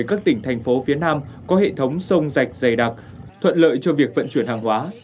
các tỉnh thành phố phía nam có hệ thống sông rạch dày đặc thuận lợi cho việc vận chuyển hàng hóa